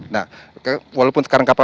nah walaupun sekarang kapal